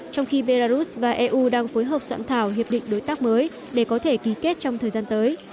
trong khi belarus và eu đang phối hợp soạn thảo hiệp định đối tác mới để có thể ký kết trong thời gian tới